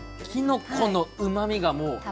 きのこのうまみがもう。